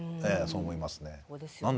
そう思いますね。